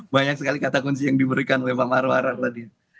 banyak sekali kata kunci yang diberikan oleh bang marwara tadi